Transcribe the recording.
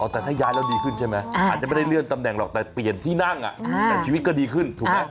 แต่ถ้าย้ายแล้วดีขึ้นใช่ไหมอาจจะไม่ได้เลื่อนตำแหน่งหรอกแต่เปลี่ยนที่นั่งแต่ชีวิตก็ดีขึ้นถูกไหม